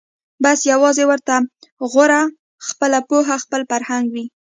بس یوازي ورته غوره خپله پوهه خپل فرهنګ وي